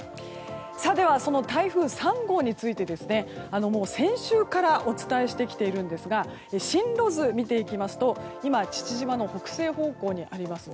では、その台風３号について先週からお伝えしてきていますが進路図を見ていきますと今、父島の北西方向にあります。